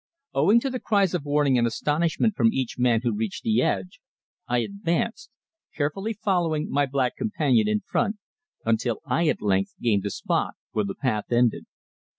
Owing to the cries of warning and astonishment from each man who reached the edge, I advanced, carefully following my black companion in front until I at length gained the spot where the path ended.